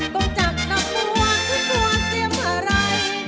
ต้องจับนับตัวทุกตัวเสียมหารัย